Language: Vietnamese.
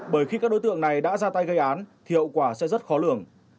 bởi khi các đối tượng này đã ra tay gây án thì hậu quả sẽ rất khó lường